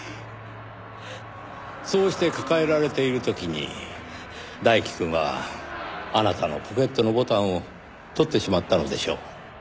そうして抱えられている時に大樹くんはあなたのポケットのボタンを取ってしまったのでしょう。